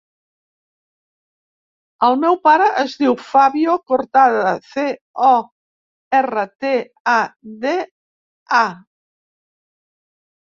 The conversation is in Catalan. El meu pare es diu Fabio Cortada: ce, o, erra, te, a, de, a.